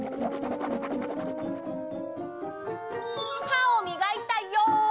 はをみがいたよ。